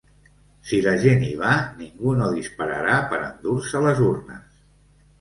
Si la gent hi va, ningú no dispararà per endur-se les urnes.